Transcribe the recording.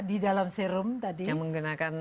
di dalam serum tadi yang menggunakan